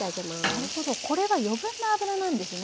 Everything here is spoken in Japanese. なるほどこれが余分な脂なんですね。